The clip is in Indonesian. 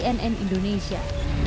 tim liputan cnn indonesia